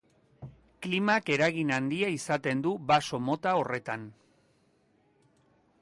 Klimak eragin handia izaten du baso mota horretan.